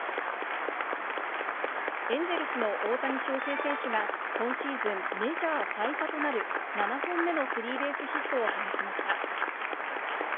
エンゼルスの大谷翔平選手が、今シーズン、メジャー最多となる７本目のスリーベースヒットを放ちました。